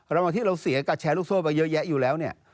ระหว่างที่เราเสียกับแชร์ลูกโซ่ไปเยอะแยะอยู่แล้วเนี่ย